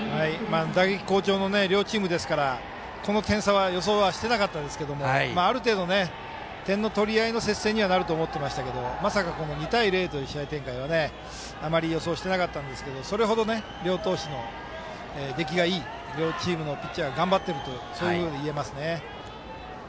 打撃好調の両チームですからこの点差は予想していなかったんですが点の取り合いの展開になると思っていたんですがまさか２対０という試合展開はあまり予想してなかったんですがそれほど両投手の出来がいい両ピッチャーが頑張ってるといえますね。